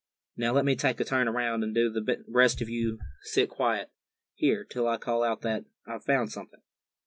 Now let me take a turn around, and do the rest of you sit quiet here, till I call out that I've found something."